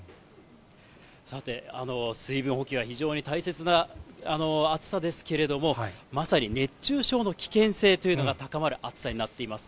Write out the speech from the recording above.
さて、水分補給が非常に大切な暑さですけれども、まさに熱中症の危険性というのが高まる暑さになっています。